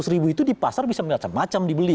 seratus ribu itu di pasar bisa macam macam dibeli